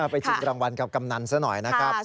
ชิงรางวัลกับกำนันซะหน่อยนะครับ